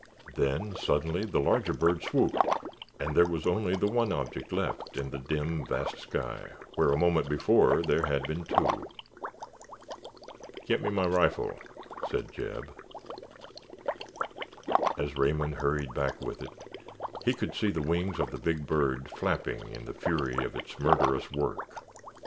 Then, suddenly, the larger bird swooped and there was only the one object left in the dim vast sky where, a moment before, there had been two. "Get me my rifle," said Jeb. As Raymond hurried back with it, he could see the wings of the big bird flapping in the fury of its murderous work.